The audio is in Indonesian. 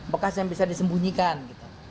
bekas yang bisa disembunyikan gitu